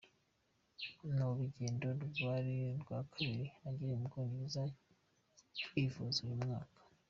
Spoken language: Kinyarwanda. Ni urugendo rwa kabiri agiriye mu Bwongereza kwivuza uyu mwaka.